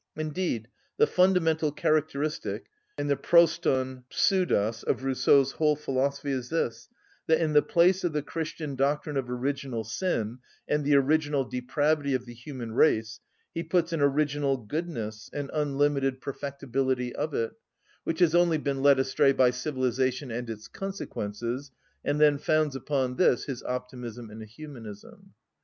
Indeed, the fundamental characteristic and the πρωτον ψευδος of Rousseau's whole philosophy is this, that in the place of the Christian doctrine of original sin, and the original depravity of the human race, he puts an original goodness and unlimited perfectibility of it, which has only been led astray by civilisation and its consequences, and then founds upon this his optimism and humanism.